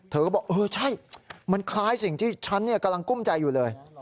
เธอก็บอกเออใช่มันคล้ายสิ่งที่ฉันกำลังกุ้มใจอยู่เลย